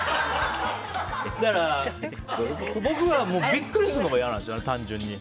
だから、僕はビックリするのが嫌なんですよね、単純に。